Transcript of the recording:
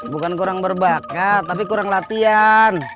bukan kurang berbakat tapi kurang latihan